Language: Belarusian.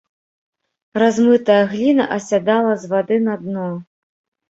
Размытая гліна асядала з вады на дно.